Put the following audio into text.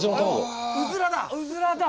うずらだ！